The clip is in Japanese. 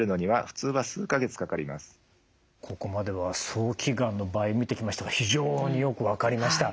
ここまでは早期がんの場合見てきましたが非常によく分かりました。